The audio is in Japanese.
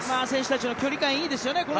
選手たちの距離感いいですね。